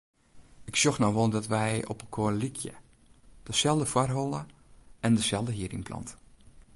Ik sjoch no wol dat wy opelkoar lykje; deselde foarholle en deselde hierynplant.